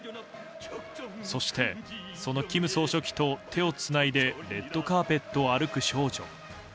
そしてその金総書記と手をつないでレッドカーペットを歩く少女。